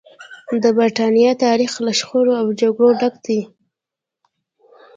د برېټانیا تاریخ له شخړو او جګړو ډک دی.